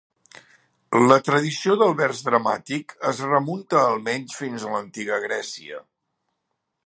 La tradició del vers dramàtic es remunta almenys fins a l'Antiga Grècia.